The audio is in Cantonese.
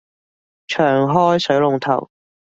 長開水龍頭